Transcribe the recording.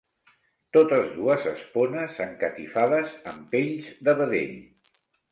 Totes dues espones encatifades amb pells de vedell.